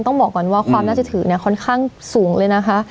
ต้องบอกก่อนว่าความน่าจะถือเนี่ยค่อนข้างสูงเลยนะคะ